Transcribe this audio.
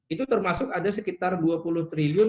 itu termasuk ada sekitar dua puluh triliun